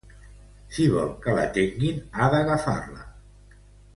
Si vol que l'atenguin, ha d'agafar la.